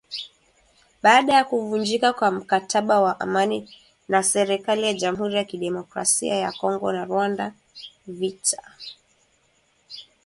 Baada ya kuvunjika kwa mkataba wa amani na serikali ya jamuhuri ya kidemokrasia ya Kongo na Rwanda, vita vilikazishwa sana